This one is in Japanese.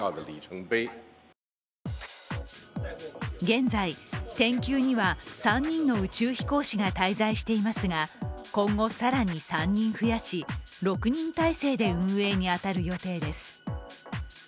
現在、「天宮」には３人の宇宙飛行士が滞在していますが、今後更に３人増やし６人態勢で運営に当たる予定です。